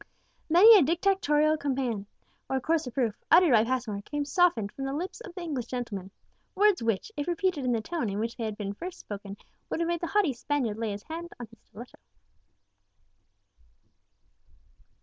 Many a dictatorial command or coarse reproof, uttered by Passmore, came softened from the lips of the English gentleman, words which, if repeated in the tone in which they had first been spoken, would have made the haughty Spaniard lay his hand on his stiletto.